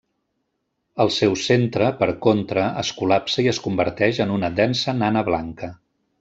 El seu centre, per contra, es col·lapsa i es converteix en una densa nana blanca.